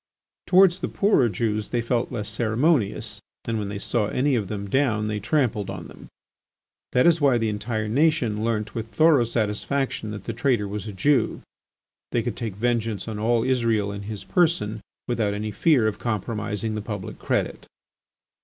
Towards the poorer Jews they felt less ceremonious and when they saw any of them down they trampled on them. That is why the entire nation learnt with thorough satisfaction that the traitor was a Jew. They could take vengeance on all Israel in his person without any fear of compromising the public credit.